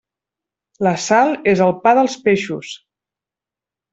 La sal és el pa dels peixos.